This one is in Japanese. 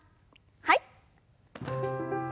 はい。